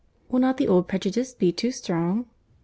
Will not the old prejudice be too strong?"